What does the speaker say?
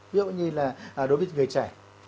ví dụ như là đối với người trẻ